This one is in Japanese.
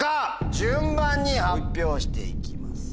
順番に発表していきます。